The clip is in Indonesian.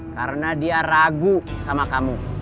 karena dia ragu sama kamu